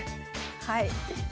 はい。